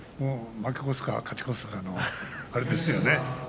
負け越すか勝ち越すかのあれですよね。